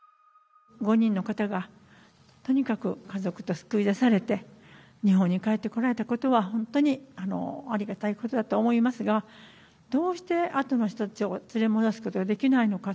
５人の方が、とにかく家族と救い出されて、日本に帰ってこられたことは、本当にありがたいことだと思いますが、どうしてあとの人たちを連れ戻すことができないのか。